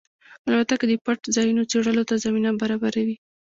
الوتکه د پټ ځایونو څېړلو ته زمینه برابروي.